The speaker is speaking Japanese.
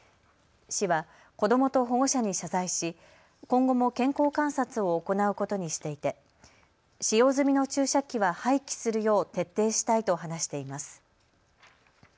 市は、子どもと保護者に謝罪し今後も健康観察を行うことにしていて使用済みの注射器は廃棄するよう徹底したいと話しています。